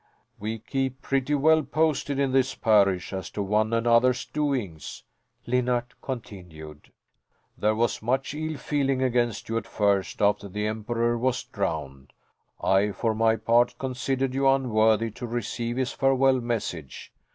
"We keep pretty well posted in this parish as to one another's doings," Linnart continued. "There was much ill feeling against you at first, after the Emperor was drowned. I for my part considered you unworthy to receive his farewell message.